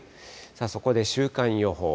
そこで週間予報。